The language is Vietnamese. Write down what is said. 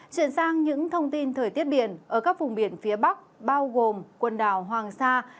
chuyển sang những thông tin thời tiết biển ở các vùng biển phía bắc bao gồm quần đảo hoàng sa